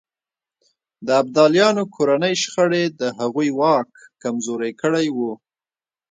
د ابدالیانو کورنۍ شخړې د هغوی واک کمزوری کړی و.